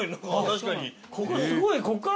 確かに。